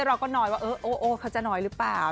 เราก็น้อยว่าเออโอเขาจะน้อยหรือเปล่า